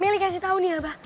meli kasih tau nih abah